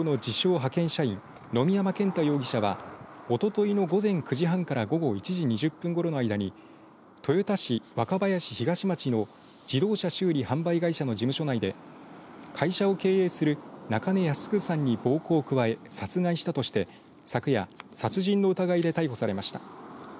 派遣社員野見山健太容疑者はおとといの午前９時半から午後１時２０分ごろの間に豊田市若林東町の自動車修理販売会社の事務所内で会社を経営する中根康継さんに暴行を加え殺害したとして昨夜、殺人の疑いで逮捕されました。